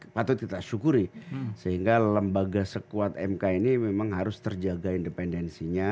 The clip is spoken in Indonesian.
patut kita syukuri sehingga lembaga sekuat mk ini memang harus terjaga independensinya